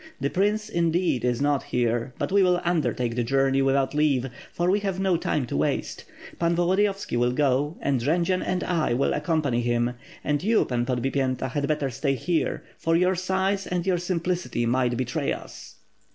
The prince, indeed, is not here, but we will undertake the journey without leave; for we have no time to waste. Pan Volodiyovski will go, and Jendzian and I will accompany him; and you. Pan Podbipyenta had better stay here, for your size and your simplicity might betray us."